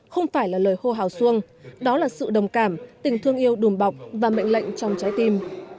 không phải là lời hô hào xuông đó là sự đồng cảm tình thương yêu đùm bọc và mệnh lệnh trong trái tim